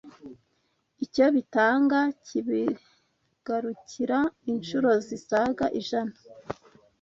icyo bitanga kibigarukira incuro zisaga ijana